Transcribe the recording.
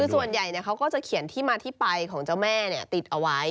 คือส่วนใหญ่เขาก็จะเขียนที่มาที่ไปของเจ้าแม่ติดเอาไว้